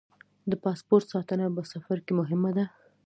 د پاسپورټ ساتنه په سفر کې مهمه ده.